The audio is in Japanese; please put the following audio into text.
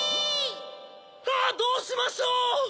あどうしましょう！